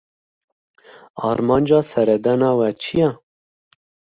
Armanca seredana we çi ye?